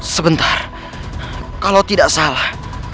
sebentar kalau tidak salah